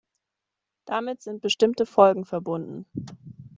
Damit sind bestimmte Folgen verbunden.